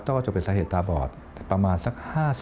ต้อกระจกเป็นสาเหตุตาบอดประมาณสัก๕๑๕๒